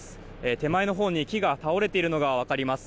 手前のほうに木が倒れているのが分かります。